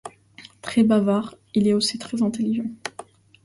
Très bavard, il est aussi très intelligent.